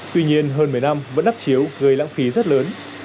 tuy nhiên hơn một mươi năm vẫn đắp chiếu gây lãng phí rất lớn